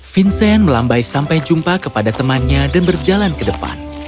vincent melambai sampai jumpa kepada temannya dan berjalan ke depan